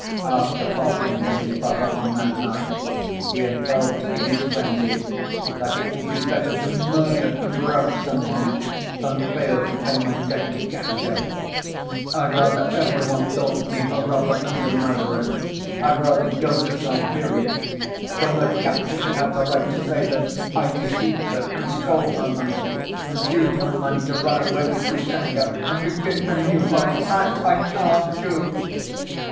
After parting from his brother on that night, he had felt in his frenzy that it would be better "to murder and rob some one than fail to pay my debt to Katya. I'd rather every one thought me a robber and a murderer, I'd rather go to Siberia than that Katya should have the right to say that I deceived her and stole her money, and used her money to run away with Grushenka and begin a new life! That I can't do!"